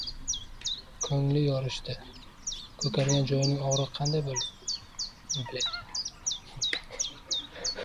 ko‘ngli yorishdi. Ko‘kargan joyining og‘rig‘i qolganday bo‘ldi.